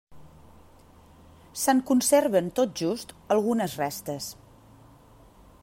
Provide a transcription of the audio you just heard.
Se'n conserven tot just algunes restes.